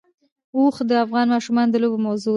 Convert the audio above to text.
اوښ د افغان ماشومانو د لوبو موضوع ده.